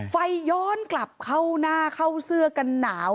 ย้อนกลับเข้าหน้าเข้าเสื้อกันหนาว